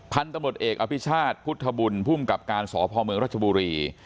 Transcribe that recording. พันธุ์ตำรวจเอกอภิชาติพุทธบุญภูมิกับการสพเมืองรัชบุรี